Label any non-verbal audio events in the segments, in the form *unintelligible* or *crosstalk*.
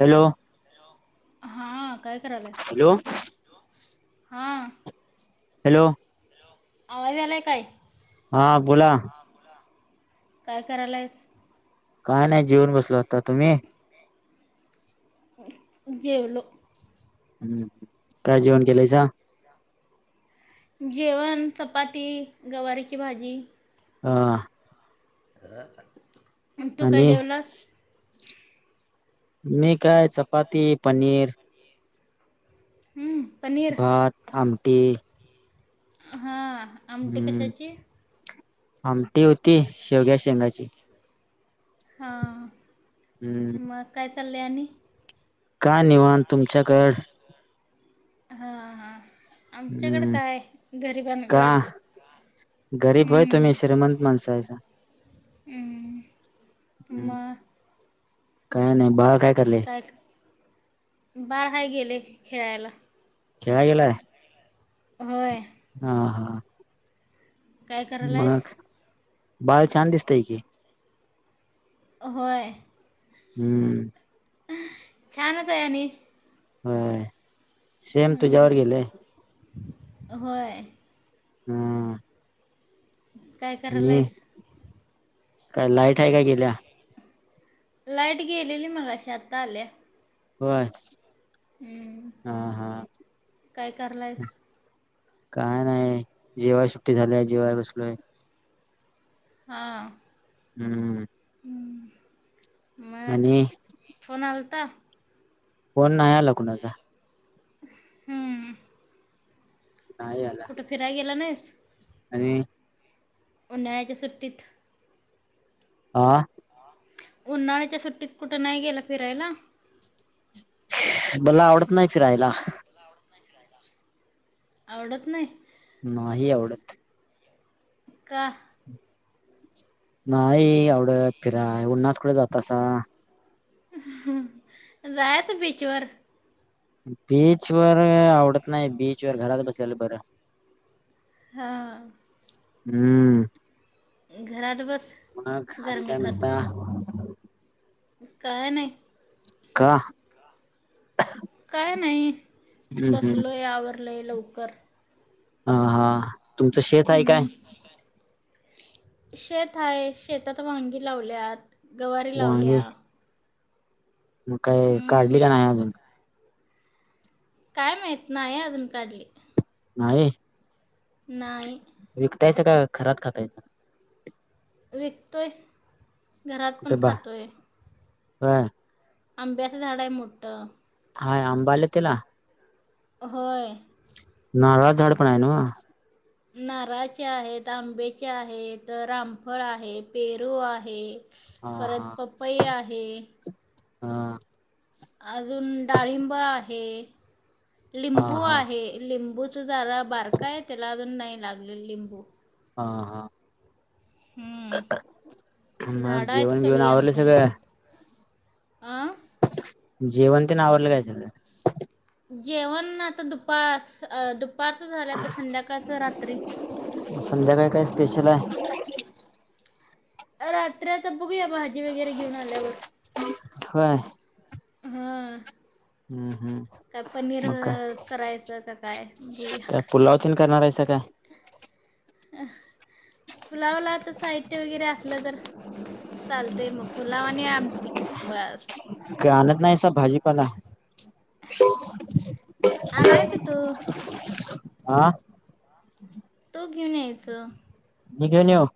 Hello. Hello. हां काय करायलय? हॅलो हां. हॅलो आवाज यालाय काय? हां बोला काय करालायस काय नाही जेऊन बसलो होतो. तुम्ही जेवलो हम्म काय जेवण केलयसा जेवण चपाती, गवारीची भाजी *unintelligible* *unintelligible* आणि तू काय आणि जेवलास मी काय चपाती, पनीर हं, पनीर भात थांब ते हा आमटी कशाची आमटी हुती शेवग्या शेंगाची हा हम्म मग काय च कल्याणी का निवाण तुमच्याकड हा हा आमच्याकड हम्म काय का गरिबांकडं गरीब होय तुम्ही हम्म श्रीमंत माणसं हायसा हम्म हम्म म काय नाही बाळ करालय काय बाळ हाय गेलय खेळायला खेळाय गेलाय होय हा हा काय करायलाइस? मग बाळ छान दिसतय की होय हम्म छानच हाय आणि होय सेम तुझ्यावर हम्म, गेलय होय हम्म काय करलायस काय लाईट हाय काय गेल्या लाईट गेलेली मगाशी आता आल्या. होय. हम्म हा हा काय करालायस? काय नाही जेवाय सुट्टी झाल्या जेवाय बसलोय. हां. हम्म. म आणि फोन आल आता फोन नाही आला कुणाचा. हम्म. नाही आला कुठे फिराय गेला नाहीस. आणि. उन्हाळ्याच्या सुट्टीत. आ. उन्हाळ्याच्या सुट्टीत कुठे नाही गेला फिरायला. मला आवडत नाही फिरायला. आवडत नाही. नाही आवडत. का. नाही आवडत फिराय उन्हात कुठे जातासा. जायच बीचवर. बीचवर आवडत नाही, बीचवर घरात बसलेलं बरं. हा. हम्म. घरात बस. मग आणि गरमी काय खात म्हणता. काय नाही. का. काय नाही हम्म हम्म बसलोय आवरलंय लवकर. ह, हा. तुमचं शेत आहे काय. हम्म, शेत आहे शेतात वांगी लावल्यात. गवारी वांगी लावल्या. मग काय हम्म, काढली का नाही अजून. काय माहत नाही अजून काढली. नाही. नाही. विकतासा काय घरात खातायसा. विकतोय. घरात पण खातोय. हा. अंब्याच झाड आहे मोठ हा, आंबे आले त्याला? होय. नारळाचं झाड पण आहे ना? नारळाचे आहेत, आंब्याचे आहेत, रामफळ आहे, पेरू आहे परत हा पपई आहे हा. अजून डाळिंब आहे. हा लिंबू हा आहे लिंबू झाड बारक आहे त्याला अजून नाही लागले लिंबू हा हा. हम्म. म आज झाडं जेवण बिवण आवरलं सगळं? अह जेवन तेन, आवरलं काय सगळ जेवण आता, दुपास अह दुप फारसं झालं तर संध्याकाळचं रात्री संध्याकाळी काय स्पेशल हाय? रात्र तर बघूया भाजी वगैरे घेऊन आल्यावर होय हा हम्म हम्म मग काय. अ, करायचं का काय काय पुलावतून काय करणार आहेस *unintelligible* अह पुलावला आता साहित्य वगैरे असलं तर चालतंय मग पुलाव आणि आमटी बस का आणत नाहीसा भाजीपाला आणायचं तू आं तू घेऊन यायचं मी घेऊन येऊ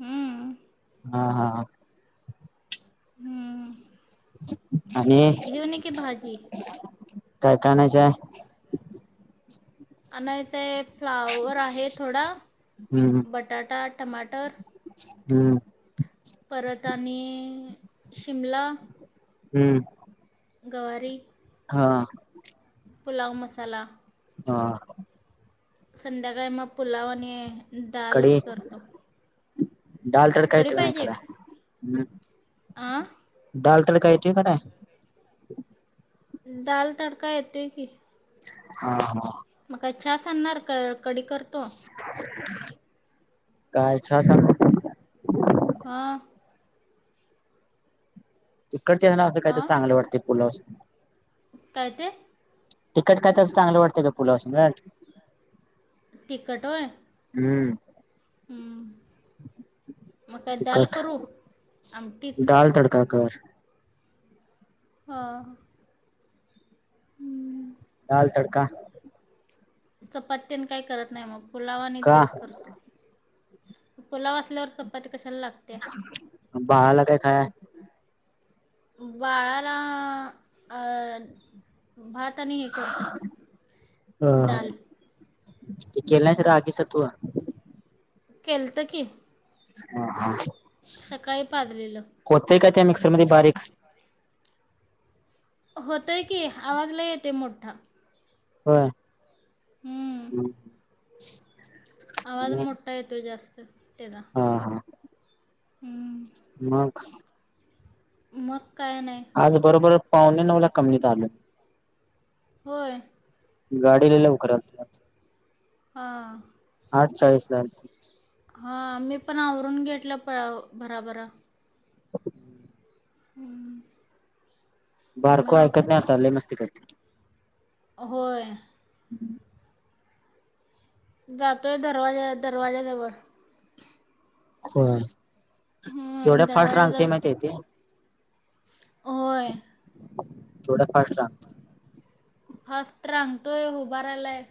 हम्म. हा हा. हम्म. *inaudible* घेऊन ये की भाजी. काय काय आणायच्या आणायचंय फ्लावर आहे थोडा, हम्म बटाटा टमाटर हम्म. परत आणि.. शिमला हम्म गवारी हा पुलाव मसाला हा.. संध्याकाळी मग पुलाव आणि दालच करतो. डाल तडका कढी येतोय, की नाही पाहिजे कराय हम् आ डाळ तडका येतोय काय दाल तडका येतोय की. हा हा. मग काय चहा सांगणार क कडी करतो. काय चहा सांगू? हा. कटते ना हां चांगलं वाटतंय पुलावच. काय ते? तिखट काय तर असं चांगलं वाटतंय का पुलाव संगत? तिखट होय? हम्म. हं. मग काय दाल तिखट करू आमटीच डाळ तडका कर. हां. *unintelligible* दाल तडका. चपाती तेन काय करत नाही मग. पुलाव आणि का तेच करतो. पुलाव असल्यावर चपाती कशाला लागते बाळाला काय खाय? बाळाला अ भात आणि हे करतो, डाल. ते केलं नाहीस रागीच तू केलतं की. हा हा. सकाळी पाजलेलं. का त्या मिक्सर मध्ये बारीक. होतय की आवाज लय येतोय मोठा. बर हम्म. *inaudible* आवाज मोठा येतोय जास्त. त. तेजा. हा हा हम्म. मग? मग? काय नाही आज बरोबर. पावणे नऊला कमी इथं आल. होय. गाडी लय लवकर आलती आज. हा. आठ चाळीसला आलती. हा मी पण आवरून घेतलं प भराभरा. *inaudible* हम्. बारको ऐकत नाही आता लय मस्ती कर. होय. जातोय दरवाजा दरवाज्याजवळ. ह. तेवढ्या फास्ट रांगते दरवाजाजवळ माहिती तेे. होय. थोडा फास्ट राह. फास्ट रांगतोय हुभरायलय आहे.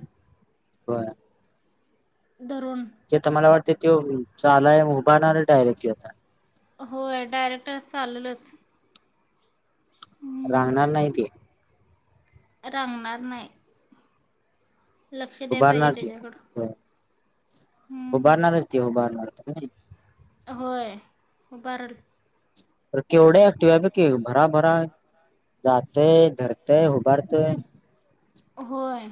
बर. धरून ज मला वाटतं. त चालाय उभणार डायरेक्टली होता. होय डायरेक्ट चाललच. रांगणार नाही ते. रांणारार नाही. लक्ष द्याय पाहिजे उभारणार ते त्याच्याकड. उभारणारच तेी उभारणार. *inaudible* होय बार. तर केवढे ऍक्टिव आहे प क भराभरा जातय धरतेय उभारतेय. होय.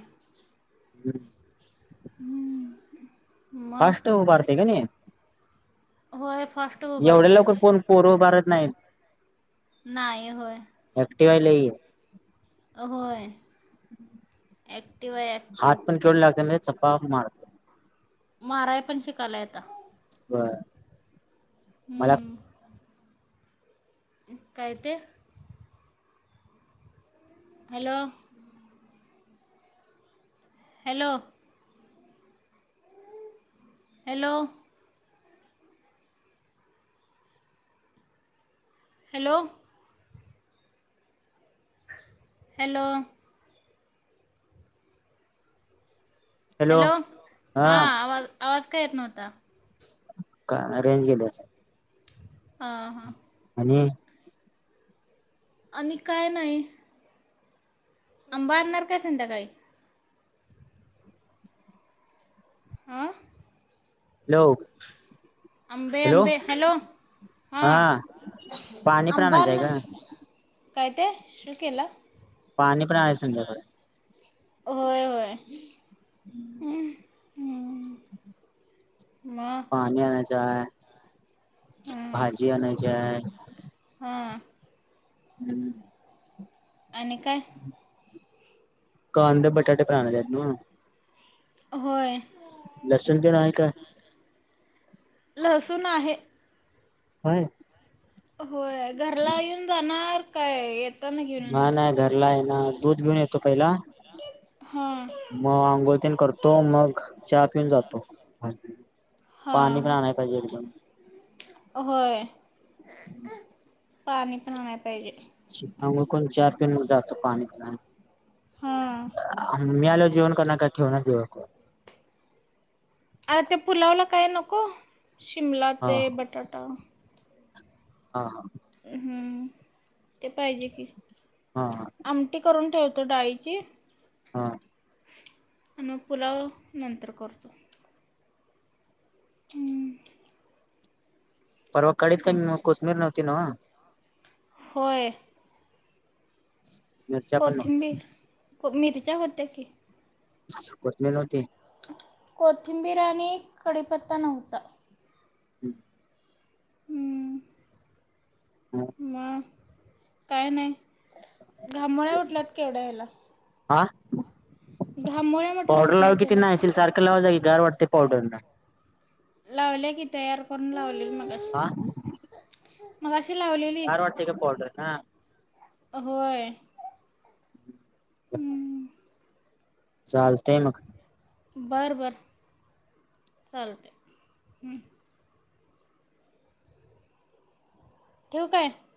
हम्. हम्. फस्ट उभारते का नाही. होय फास्ट एवढे उभारतोस लवकर‌ कोण पोर उभारत. नाहीईत. नाही होय. ऍक्टिव्ह हाय लई. एक. हात पण केवढे लागलेत. चपापा मारतो. माराय पण शिकायलाय आता. बर. हम्म. काय ते. Hello. Hello. Hello. Hello. Hello. Hello हा आवाज-आवाज. येत नव्हता. का रेंज गेली असेल. आ, हा. आणि आणि काय नाही. आंबा आणणार काय संध्याकाळी. हां हॅलो. आंबे-आंबे, हॅलो हा पाणी पण आंबा आणायचं आहे आणणार. का काय ते शू केला. पाणी पण आणायचा आहे संध्याकाळी. होय-होय. हम. मग पाणी आणायचा चाय. हं, भाजी आणयची हाय. हां हम्म. आणि काय कांदे बटाटे पण आणलेत ना होय लसून तेन आहे का लसूून आहे होय होय घरला येऊन जाणार काय ते नाही नाही घरला येणार तू घेऊन येतो पहिला हां मग आंघोळन करतो मग चहा पिऊन जातो. पाणी पण हां आणाय पाहिजे. एकदम होय. पाणी पिण्यात पाहिजेत. हम लोग चार किमो जातो. पाणी हां पिलाने मी आलो जेवण कर ना का काही ठेवा नको. आर ते पुलावला काय नको शिमला ते बटाटा हा हा हम्म ते पाहिजे की हा आमटी करून ठेवते. तो डाईची *unintelligible* हा आणि मग पुलाव नंतर करतो. हम्म परवा कळीत काण कोथमीर नव्हती नव. हो मिरच्या पण कोथिंबीर मिरच्या करतोय की कोतमील होती. कोथिंबीर आणि कडीपत्ता नव्हता. हम् हम्म म काय नाही. घामोळ्या उठल्यात केवढ्या हेला. आा म्हटलं पावडर उठल्या लाव किती त्याला नाइशील सारखं लावा जा की गार वाटते पावडर न लावले की तयार करून लावलेली हा मगाशी मगाशी लावलेली गार वाटय काय पावडरीन हा होय. ब *inaudible* हम्म, चालतय मग बरं बर चालतय. ठेवू काय.